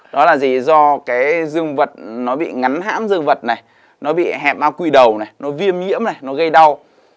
đó là gì do cái dương vật nó bị ngắn hãm dương vật này nó bị hẹp bao quy đầu này nó viêm nhiễm này nó gây đau